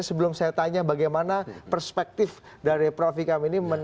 sebelum saya tanya bagaimana perspektif dari prof ikam ini